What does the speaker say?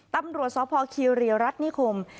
ตำรวจศพคีย์เรียรัฐนิคม